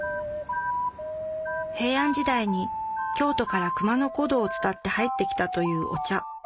平安時代に京都から熊野古道を伝って入ってきたというお茶